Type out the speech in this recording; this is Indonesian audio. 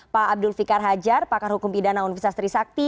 pak abdul fikar hajar pakar hukum pidana universitas trisakti